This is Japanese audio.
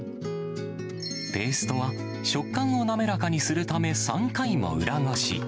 ペーストは食感を滑らかにするため３回も裏ごし。